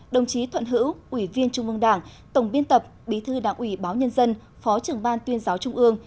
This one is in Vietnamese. đồng chí thuận hữu ủy viên trung mương đảng tổng biên tập bí thư đảng ủy báo nhân dân phó trưởng ban tuyên giáo trung ương